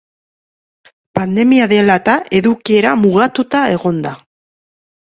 Pandemia dela eta, edukiera mugatuta egon da.